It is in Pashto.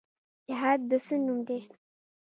جهاد د څه نوم دی؟